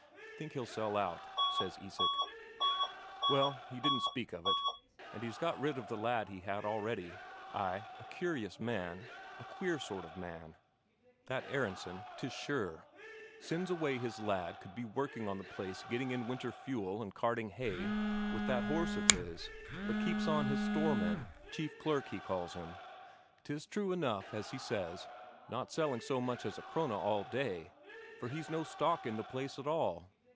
"Think he'll sell out?" asks Isak. "Well, he did speak of it. And he's got rid of the lad he had already. Ay, a curious man, a queer sort of man, that Aronsen, 'tis sure. Sends away his lad could be working on the place getting in winter fuel and carting hay with that horse of his, but keeps on his storeman chief clerk, he calls him. 'Tis true enough, as he says, not selling so much as a Krone all day, for he's no stock in the place at all.